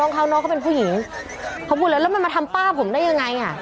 น้องเขาน้องเขาเป็นผู้หญิงเขาพูดเลยแล้วมันมาทำป้าผมได้ยังไงอ่ะ